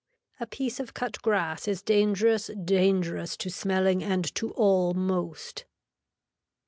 A piece of cut grass is dangerous dangerous to smelling and to all most.